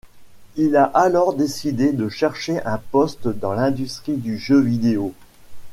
Il a alors décidé de chercher un poste dans l'industrie du jeu vidéo.